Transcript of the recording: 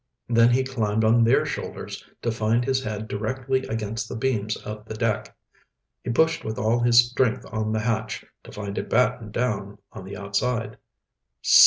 Then he climbed on their shoulders, to find his head directly against the beams of the deck. He pushed with all of his strength on the hatch, to find it battened down on the outside.